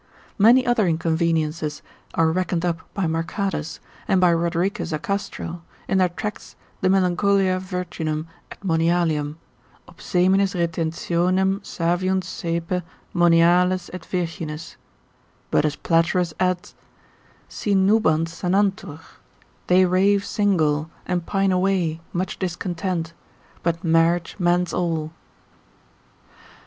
Many other inconveniences are reckoned up by Mercatus, and by Rodericus a Castro, in their tracts de melancholia virginum et monialium; ob seminis retentionem saviunt saepe moniales et virgines, but as Platerus adds, si nubant sanantur, they rave single, and pine away, much discontent, but marriage mends all.